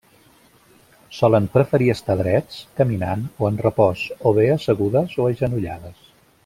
Solen preferir estar drets, caminant o en repòs, o bé assegudes o agenollades.